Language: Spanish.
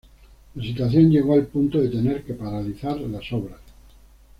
La situación llegó al punto de tener que paralizar las obras.